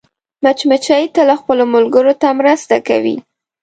مچمچۍ تل خپلو ملګرو ته مرسته کوي